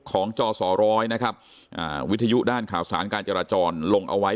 จสร้อยนะครับวิทยุด้านข่าวสารการจราจรลงเอาไว้